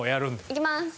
いきます。